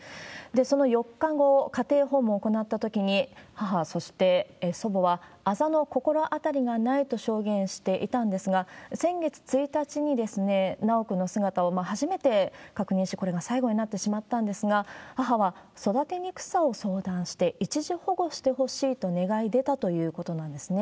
その４日後、家庭訪問を行ったときに、母、そして祖母は、あざの心当たりがないと証言していたんですが、先月１日に、修くんの姿を初めて確認し、これが最後になってしまったんですが、母は、育てにくさを相談して一時保護してほしいと願い出たということなんですね。